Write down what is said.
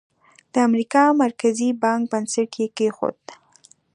د امریکا مرکزي بانک بنسټ یې کېښود.